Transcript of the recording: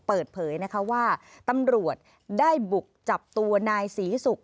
เปิดเผยนะคะว่าตำรวจได้บุกจับตัวนายศรีศุกร์